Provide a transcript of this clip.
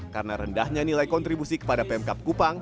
karena rendahnya nilai kontribusi kepada pemkap kupang